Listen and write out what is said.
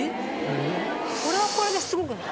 これはこれですごくない？